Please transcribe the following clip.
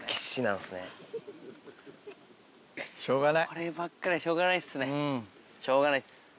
こればっかりはしょうがないですしょうがないっす。